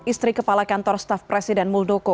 istri kepala kantor staf presiden muldoko